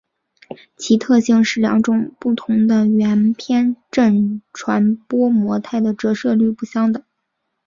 其特性是两种不同的圆偏振传播模态的折射率不相等。